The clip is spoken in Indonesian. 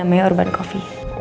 sama ya urban coffee